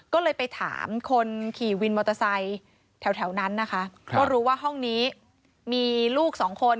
ก็เลยไปถามคนขี่วินมอเตอร์ไซค์แถวนั้นนะคะก็รู้ว่าห้องนี้มีลูกสองคน